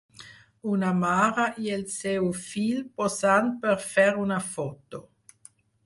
Una mare i el seu fill posant per fer una foto